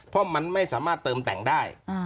เพราะมันไม่สามารถเติมแต่งได้